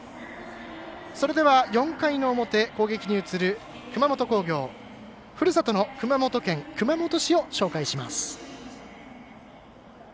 それでは、４回の表、攻撃に移る熊本工業、ふるさとの熊本県熊本市を紹介します。